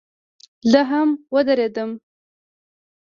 زه هم ودرېدم.